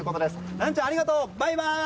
ランちゃん、ありがとうバイバイ！